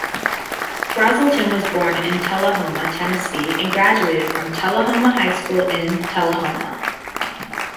Brazelton was born in Tullahoma, Tennessee and graduated from Tullahoma High School in Tullahoma.